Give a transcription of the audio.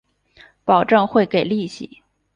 保证会给利息